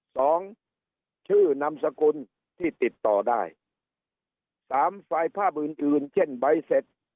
สองชื่อนำสกุลที่ติดต่อได้สามไฟล์ภาพอื่นเช่นใบเซ็ต